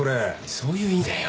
そういう意味だよ。